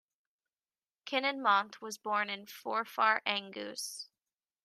Kininmonth was born in Forfar, Angus.